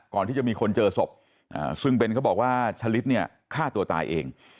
ก่อนที่จะมีคนเจอศพซึ่งเป็นเขาบอกว่าชะลิดเนี่ยฆ่าตัวตายเอง